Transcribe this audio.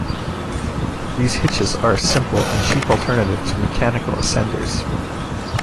These hitches are a simple and cheap alternative to mechanical ascenders.